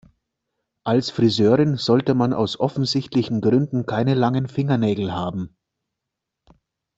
Als Friseurin sollte man aus offensichtlichen Gründen keine langen Fingernägel haben.